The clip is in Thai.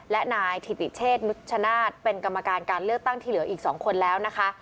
และนายถิติเชษนุชชนาธิ์เป็นกรรมการการเลือกตั้งที่เหลืออีก๒คนแล้วนะคะ